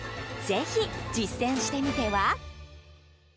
ぜひ実践してみては？